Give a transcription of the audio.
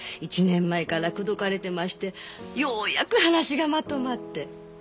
１年前から口説かれてましてようやく話がまとまって。